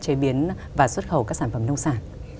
chế biến và xuất khẩu các sản phẩm nông sản